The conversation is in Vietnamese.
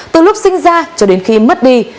từ lúc sinh ra cho đến khi mất đi